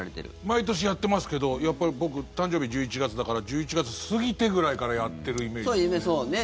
毎年やってますけど僕、誕生日１１月だから１１月過ぎてぐらいからやってるイメージですね。